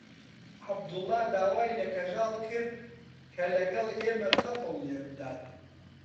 عەبدوڵڵا داوای لە کەژاڵ کرد کە لەگەڵ ئێمە تەپڵ لێ بدات.